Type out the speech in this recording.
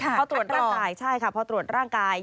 เขาตรวจร่างกายใช่ค่ะพอตรวจร่างกาย